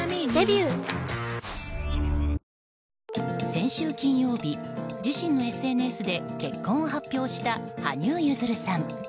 先週金曜日、自身のＳＮＳで結婚を発表した羽生結弦さん。